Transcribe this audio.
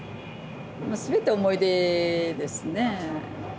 全て思い出ですね。